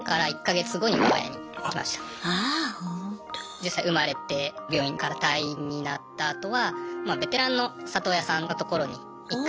実際生まれて病院から退院になったあとはまあベテランの里親さんのところに一回。